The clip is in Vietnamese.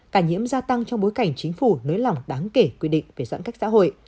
cả nhiễm gia tăng trong bối cảnh chính phủ nới lỏng đáng kể quy định về giãn cách xã hội